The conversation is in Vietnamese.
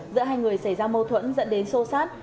giữa hai người xảy ra mâu thuẫn dẫn đến sô sát